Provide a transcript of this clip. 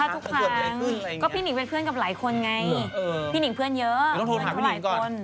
สัมภาษณ์ทุกครั้งก็พี่นิ่งเป็นเพื่อนกับหลายคนไงพี่นิ่งเพื่อนเยอะเพราะว่าเท่าไหร่คน